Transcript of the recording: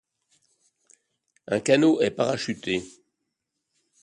Un canot est parachuté.